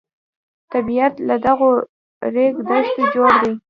طبیعت له دغو ریګ دښتو جوړ دی.